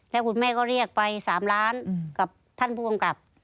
แล้วคุณแม่ก็เรียกไป๓ล้านกับท่านผู้กำกับ